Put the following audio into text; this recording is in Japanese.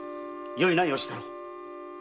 よいな吉太郎。